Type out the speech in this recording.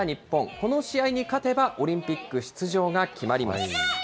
この試合に勝てばオリンピック出場が決まります。